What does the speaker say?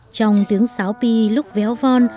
trong tiếng sáo pi lúc véo von